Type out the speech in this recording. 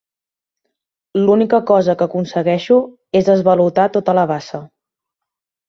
L'única cosa que aconsegueixo és esvalotar tota la bassa.